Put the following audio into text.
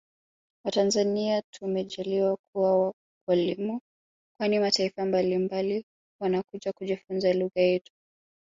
Watanzania tumejaliwa kuwa wakalimu kwani mataifa mbalimbali wanakuja kujifunza lugja yetu